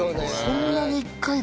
そんなに１回で。